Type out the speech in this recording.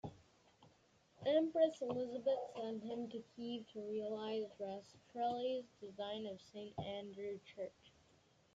Empress Elizabeth sent him to Kiev to realize Rastrelli's design of Saint Andrew Church.